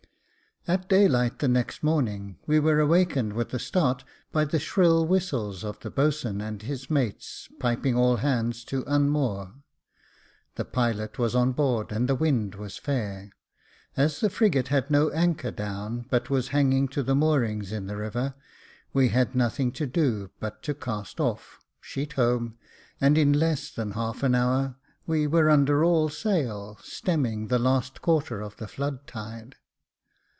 At daylight the next morning, we were awakened with a start by the shrill whistles of the boatswain and his mates piping all hands to unmoor. The pilot was on board, and the wind was fair. As the frigate had no anchor down, but was hanging to the moorings in the river, we had nothing to do but to cast off, sheet home, and in less than half an hour, we were under all sail, stemming the last quarter of the flood tide.